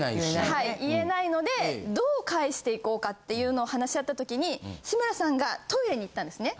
はい言えないのでどう帰していこうかっていうのを話し合ったときに志村さんがトイレに行ったんですね。